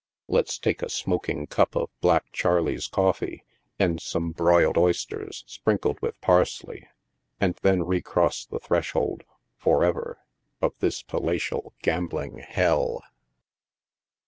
Let's take a smoking cup of black Charlie's coffee, and some broiled oysters, sprinkled with parsley, and then recross the threshold, forever, of this palatial Gambling Hell.